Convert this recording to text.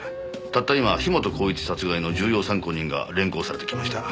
たった今樋本晃一殺害の重要参考人が連行されてきました。